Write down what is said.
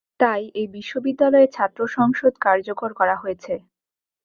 তাই এ বিশ্ববিদ্যালয়ে ছাত্র সংসদ কার্যকর করা হয়েছে।